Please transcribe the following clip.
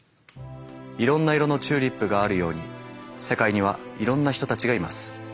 いろんな色のチューリップがあるように世界にはいろんな人たちがいます。